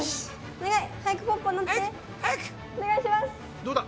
どうだ？